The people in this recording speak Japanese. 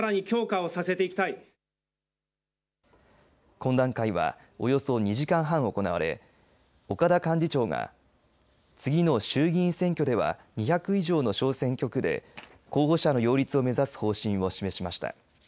懇談会は、およそ２時間半行われ岡田幹事長が次の衆議院選挙では２００以上の小選挙区で候補者の擁立を目指す方針を示しました。